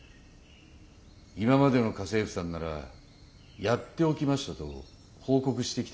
今までの家政婦さんならやっておきましたと報告してきた気がします。